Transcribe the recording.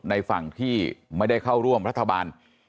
ในฝั่งที่ไม่ได้เข้าร่วมรัฐบาล